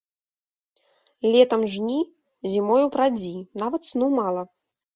Летам жні, зімою прадзі, нават сну мала.